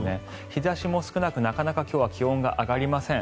日差しも少なく、なかなか今日は気温が上がりません。